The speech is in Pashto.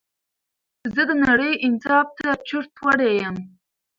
زه د نړۍ انصاف ته چورت وړى يمه